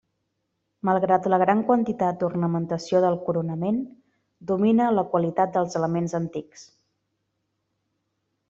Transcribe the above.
Malgrat la gran quantitat d'ornamentació del coronament, domina la qualitat dels elements antics.